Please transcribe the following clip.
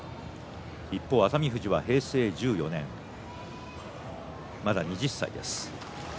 一方、熱海富士は平成１４年まだ２０歳です。